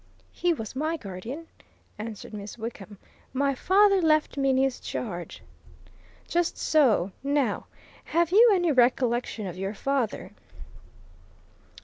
"He was my guardian," answered Miss Wickham. "My father left me in his charge." "Just so. Now, have you any recollection of your father?"